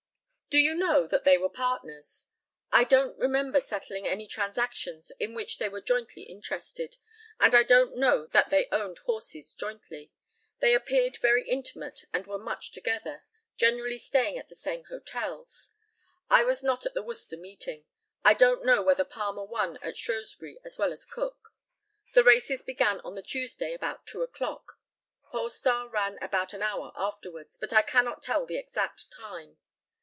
Do you know that they were partners? I don't remember settling any transactions in which they were jointly interested, and I don't know that they owned horses jointly. They appeared very intimate and were much together, generally staying at the same hotels. I was not at the Worcester meeting. I don't know whether Palmer won at Shrewsbury as well as Cook. The races began on the Tuesday about 2 o'clock. Polestar ran about an hour afterwards, but I cannot tell the exact time.